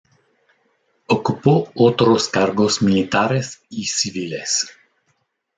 Ocupó otros cargos militares y civiles.